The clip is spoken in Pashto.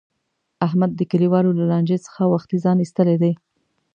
احمد د کلیوالو له لانجې څخه وختي ځان ایستلی دی.